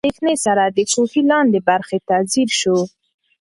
بزګر په ډېرې اندېښنې سره د کوهي لاندې برخې ته ځیر شو.